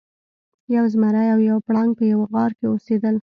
یو زمری او یو پړانګ په یوه غار کې اوسیدل.